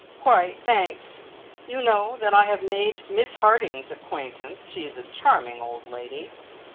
"Quite, thanks. You know that I have made Miss Harding's acquaintance. She is a charming old lady."